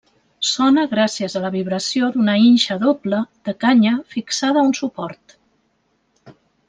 Sona gràcies a la vibració d’una inxa doble, de canya, fixada a un suport.